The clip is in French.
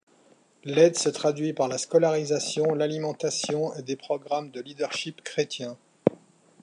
L'aide se traduit par la scolarisation, l'alimentation et des programmes de leadership chrétien.